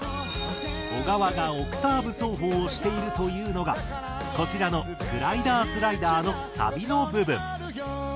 小川がオクターブ奏法をしているというのがこちらの『グライダースライダー』のサビの部分。